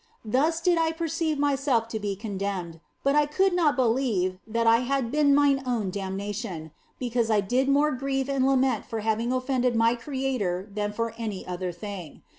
Thus did I perceive myself to be condemned, but I could not believe that I had been mine own damnation, because I did more grieve and lament for having offended my Creator than for any other thing.